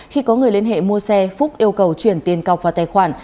khi có người liên hệ mua xe phúc yêu cầu chuyển tiền cọc vào tài khoản